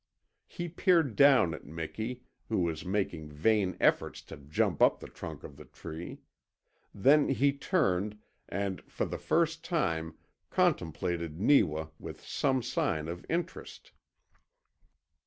He peered down at Miki who was making vain efforts to jump up the trunk of the tree; then he turned and, for the first time, contemplated Neewa with some sign of interest.